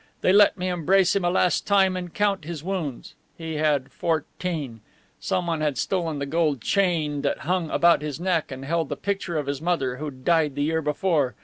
They let me embrace him a last time and count his wounds. He had fourteen. Someone had stolen the gold chain that had hung about his neck and held the picture of his mother, who died the year before.